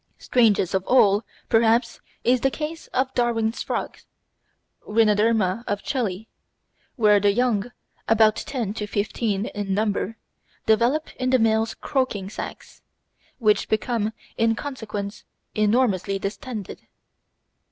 Strangest of all, perhaps, is the case of Darwin's Frog (Rhinoderma of Chili), where the young, about ten to fifteen in number, develop in the male's croaking sacs, which become in consequence enormously distended.